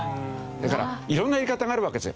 だからいろんなやり方があるわけですよ。